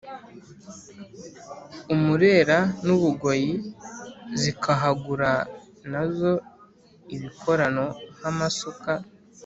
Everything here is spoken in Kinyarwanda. u Murera n u Bugoyi zikahagura na zo ibikorano nk amasuka